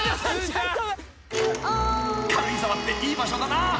［軽井沢っていい場所だな］